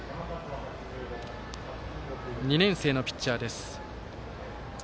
２年生のピッチャーです。